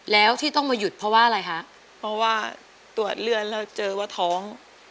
แล้วที่ต้องมาหยุดเพราะว่าอะไรคะเพราะว่าตรวจเลือดแล้วเจอว่าท้อง